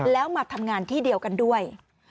แล้วมาทำงานที่เดียวกันด้วย